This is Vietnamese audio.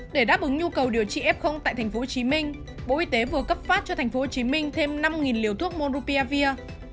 để đáp ứng nhu cầu điều trị f tại tp hcm bộ y tế vừa cấp phát cho tp hcm thêm năm liều thuốc monopia vir